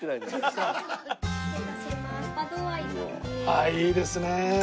あっいいですねえ。